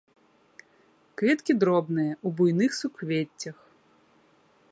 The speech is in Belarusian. Кветкі дробныя, у буйных суквеццях.